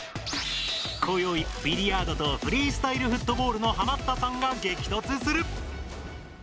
こよい、ビリヤードとフリースタイルフットボールのハマッたさんが激突する！